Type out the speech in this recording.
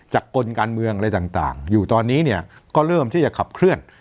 กลการเมืองอะไรต่างอยู่ตอนนี้เนี่ยก็เริ่มที่จะขับเคลื่อน